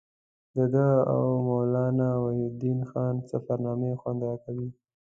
د ده او مولانا وحیدالدین خان سفرنامې خوند راکوي.